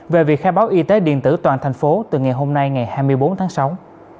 về việc khai báo y tế điện tử toàn thành phố từ ngày hôm nay ngày hai mươi bốn tháng sáu